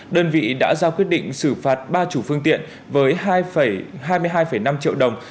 đơn vị đã giao quyết định xử phạt ba chủ phương tiện với hai mươi hai năm triệu đồng